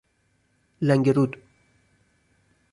لنگرود